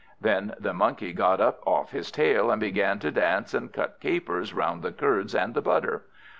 Then the Monkey got up off his tail, and began to dance and cut capers round the curds and the butter.